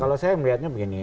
kalau saya melihatnya begini